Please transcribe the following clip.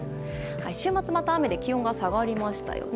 週末は、また雨で気温が下がりましたよね。